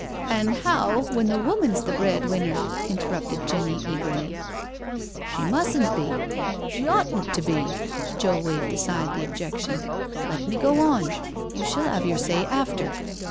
..."'" An' how when the woman's the breadwinner?" in terrupted Jenny eagerly, " She mustn't be— she oughtn't to be "—Joe waved aside the objection —" let me go on — ^you shall 'ave your say after.